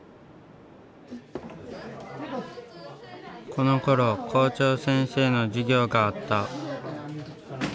このころ校長先生の授業があった。